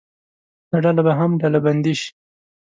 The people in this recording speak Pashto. دا ډله به هم ډلبندي شي.